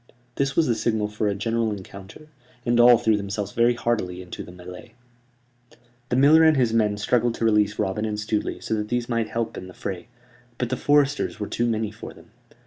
This was the signal for a general encounter, and all threw themselves very heartily into the mêlée. The miller and his men struggled to release Robin and Stuteley so that these might help in the fray; but the foresters were too many for them.